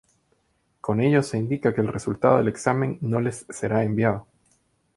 Con ello se indica que el resultado del examen no les será enviado.